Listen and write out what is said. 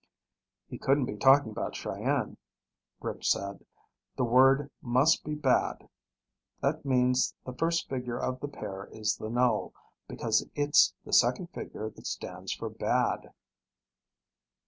"He couldn't be talking about Cheyenne," Rick said. "The word must be 'bad.' That means the first figure of the pair is the null, because it's the second figure that stands for 'bad.'"